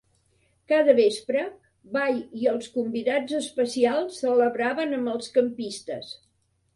Cada vespre, Vai i els convidats especials celebraven amb els campistes.